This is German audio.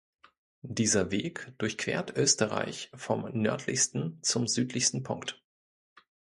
Dieser Weg durchquert Österreich vom nördlichsten zum südlichsten Punkt.